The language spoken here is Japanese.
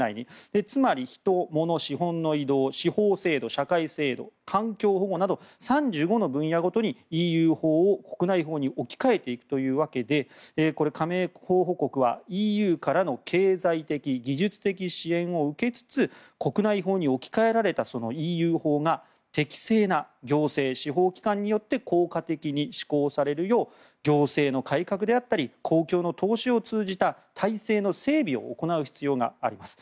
つまり人、もの、資本の移動司法制度、社会制度環境保護など３５の分野ごとにＥＵ法を国内法に置き換えていくというわけで加盟候補国はＥＵからの経済的・技術的支援を受けつつ国内法に置き換えられたＥＵ法が適正な行政・司法機構によって効果的に施行されるよう行政の改革であったり公共の投資を通じた体制の整備を行う必要があります。